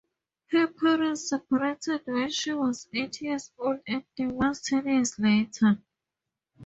Her parents separated when she was eight years old and divorced ten years later.